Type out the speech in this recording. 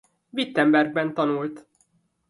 Wittenbergben tanult.